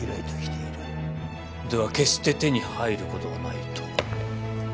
では決して手に入ることはないと。